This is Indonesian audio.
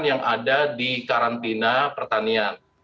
yang ada di karantina pertanian